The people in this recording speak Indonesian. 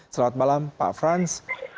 selamat malam pak franz